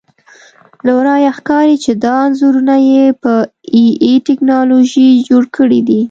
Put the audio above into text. له ورایه ښکاري چې دا انځورونه یې په اې ائ ټکنالوژي جوړ کړي دي